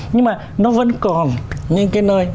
nhưng mà nó vẫn còn những cái nơi